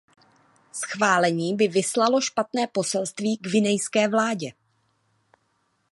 Schválení by vyslalo špatné poselství guinejské vládě.